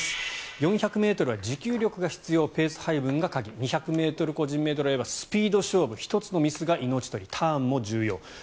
４００ｍは持久力が必要ペース配分が鍵２００ｍ個人メドレーはスピード勝負１つのミスが命取りターンも重要。